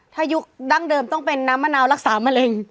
ถ้ายุคดั้งเดิมต้องเป็นน้ำมะนาวรักษามะเร็ง